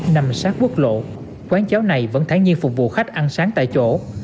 nằm sát quốc lộ quán cháo này vẫn thái nhiên phục vụ khách ăn sáng tại chỗ